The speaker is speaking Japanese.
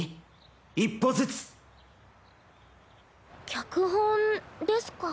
脚本ですか。